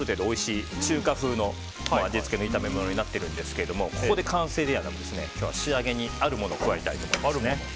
これである程度おいしい中華風の味付けの炒め物になっているんですがここで完成ではなく今日は仕上げにあるものを加えたいと思います。